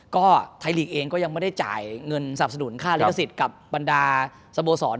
ก็ไทยลีกเองก็ยังไม่ได้จ่ายเงินสนับสนุนค่าลิขสิทธิ์กับบรรดาสโมสร